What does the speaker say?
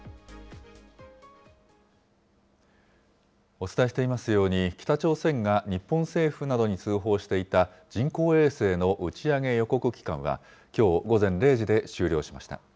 お伝えしていますように、北朝鮮が日本政府などに通報していた人工衛星の打ち上げ予告期間は、きょう午前０時で終了しました。